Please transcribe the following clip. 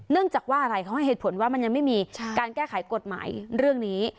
จากว่าอะไรเขาให้เหตุผลว่ามันยังไม่มีการแก้ไขกฎหมายเรื่องนี้